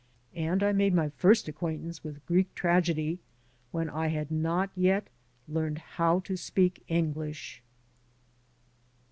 And I made my first acquaintance with Greek tragedy when I had not yet learned how to speak English.